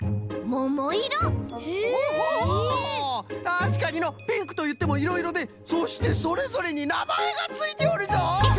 たしかにのピンクといってもいろいろでそしてそれぞれになまえがついておるぞ！